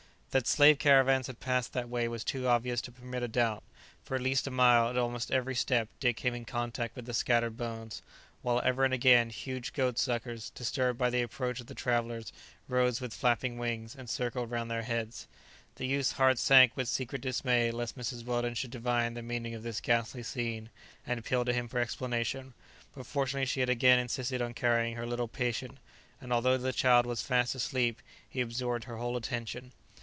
That slave caravans had passed that way was too obvious to permit a doubt. For at least a mile, at almost every step Dick came in contact with the scattered bones; while ever and again huge goat suckers, disturbed by the approach of the travellers, rose with flapping wings, and circled round their heads. The youth's heart sank with secret dismay lest Mrs. Weldon should divine the meaning of this ghastly scene, and appeal to him for explanation, but fortunately she had again insisted on carrying her little patient, and although the child was fast asleep, he absorbed her whole attention.